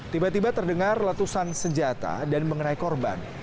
tiba tiba terdengar letusan senjata dan mengenai korban